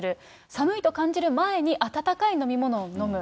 寒いと感じる前に、温かい飲み物を飲む。